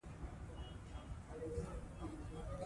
ځمکه د افغانستان د چاپیریال ساتنې لپاره ډېر مهم دي.